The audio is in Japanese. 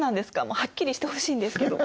もうはっきりしてほしいんですけど。